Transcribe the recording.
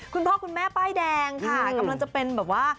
คุณพ่อคุณแม่ป้ายแดงค่ะกำลังจะเป็นแบบว่า